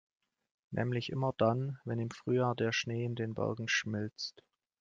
Nämlich immer dann, wenn im Frühjahr der Schnee in den Bergen schmilzt.